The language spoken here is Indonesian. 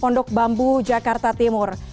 pondok bambu jakarta timur